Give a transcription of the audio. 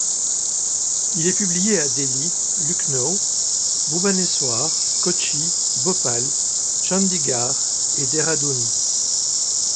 Il est publié à Delhi, Lucknow, Bhubaneswar, Kochi, Bhopal, Chandigarh et Dehradun.